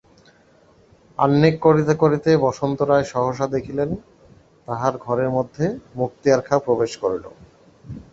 আহ্নিক করিতে করিতে বসন্ত রায় সহসা দেখিলেন, তাঁহার ঘরের মধ্যে মুক্তিয়ার খাঁ প্রবেশ করিল।